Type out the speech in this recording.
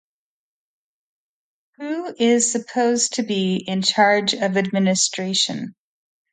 Who is supposed to be in charge of administration?